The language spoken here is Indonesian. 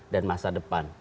dan masa depan